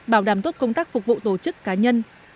bảo đảm tốt công tác phục vụ tổ chức cá nhân